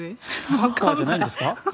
サッカーじゃないんですか？